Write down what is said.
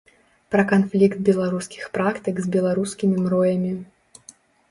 Пра канфлікт беларускіх практык з беларускімі мроямі.